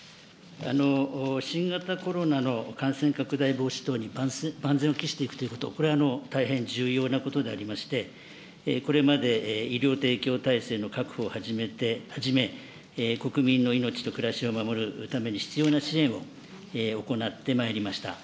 新型コロナの感染拡大防止等に万全を期していくということ、これは大変重要なことでありまして、これまで医療提供体制の確保をはじめ、国民の命と暮らしを守るために必要な支援を行ってまいりました。